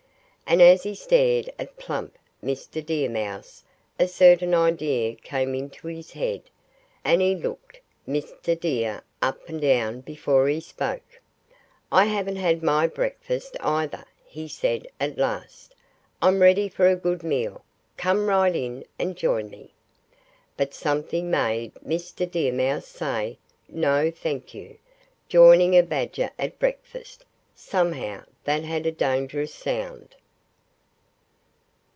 And as he stared at plump Mr. Deer Mouse a certain idea came into his head. And he looked Mr. Deer up and down before he spoke. "I haven't had my breakfast either," he said at last. "I'm ready for a good meal. Come right in and join me!" But something made Mr. Deer Mouse say, "No, thank you!" Joining a badger at breakfast! Somehow that had a dangerous sound.